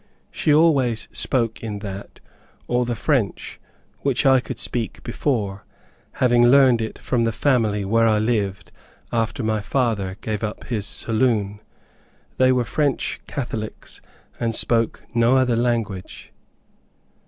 She always spoke in that, or the French, which I could speak before, having learned it from the family where I lived after my father gave up his saloon. They were French Catholics and spoke no other language.